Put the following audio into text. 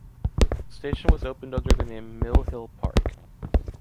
The station was opened under the name Mill Hill Park.